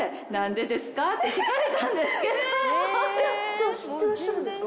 じゃあ知ってらっしゃるんですか？